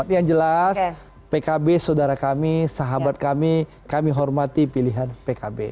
yang jelas pkb saudara kami sahabat kami kami hormati pilihan pkb